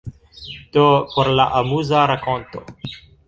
Do por la amuza rakonto.